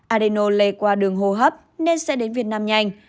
adeno lây qua đường hồ hấp nên sẽ đến việt nam